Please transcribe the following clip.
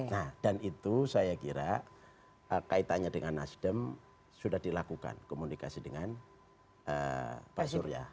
nah dan itu saya kira kaitannya dengan nasdem sudah dilakukan komunikasi dengan pak surya